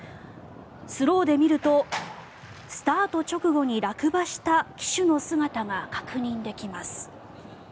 スローで見るとスタート直後に落馬した騎手の姿が確認できます。